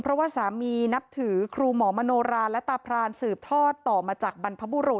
เพราะว่าสามีนับถือครูหมอมโนราและตาพรานสืบทอดต่อมาจากบรรพบุรุษ